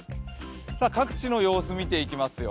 各地の様子、見ていきますよ。